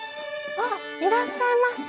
あっいらっしゃいます。